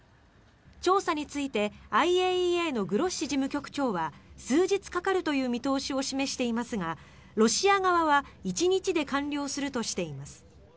調査についてＩＡＥＡのグロッシ事務局長は数日かかるという見通しを示していますがロシア側は１日で完了するとしています。